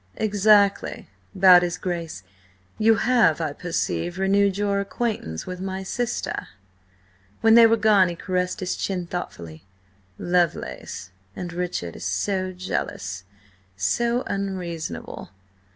"Exactly," bowed his Grace. "You have, I perceive, renewed your acquaintance with my sister." When they were gone he caressed his chin, thoughtfully. "Lovelace ... and Richard is so jealous, so unreasonable.